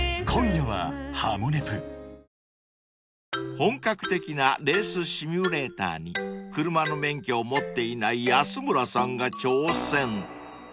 ［本格的なレースシミュレーターに車の免許を持っていない安村さんが挑戦］